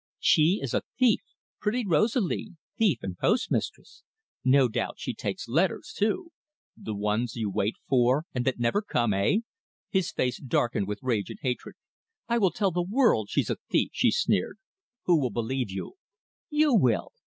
She is a thief pretty Rosalie thief and postmistress! No doubt she takes letters too." "The ones you wait for, and that never come eh?" Her face darkened with rage and hatred. "I will tell the world she's a thief," she sneered. "Who will believe you?" "You will."